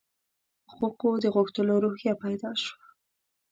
حقوقو د غوښتلو روحیه پیدا شوه.